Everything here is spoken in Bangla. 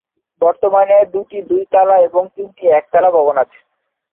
বর্তমানে দুটি দুই তলা এবং তিনটি এক তলা ভবন আছে।